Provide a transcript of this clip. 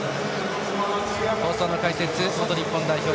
放送の解説は元日本代表